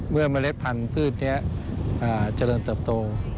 เมื่อเมล็ดพันธุ์พืชอันคราวจะเริ่มเติบโต